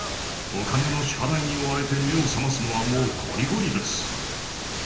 お金の支払いに追われて目を覚ますのはもうこりごりです。